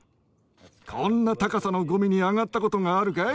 こんな高さのゴミに上がったことがあるかい？